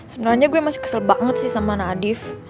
sebenarnya gue masih kesel banget sih sama nadif